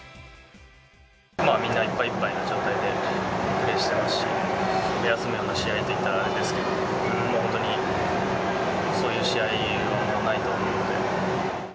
みんないっぱいいっぱいの状態でプレーしていますし、休むような試合と言ったらあれですけど、もう本当にそういう試合はもうないと思うので。